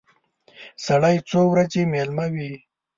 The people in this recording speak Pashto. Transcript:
سړی څو ورځې مېلمه وي.